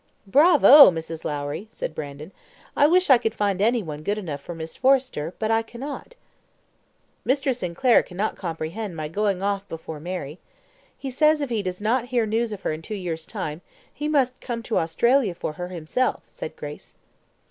"Bravo! Mrs. Lowrie," said Brandon; "I wish I could find any one good enough for Miss Forrester, but I cannot." "Mr. Sinclair cannot comprehend my going off before Mary. He says, if he does not hear news of her in two years' time, he must come to Australia for her himself," said Grace.